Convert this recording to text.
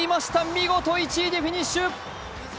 見事１位でフィニッシュ。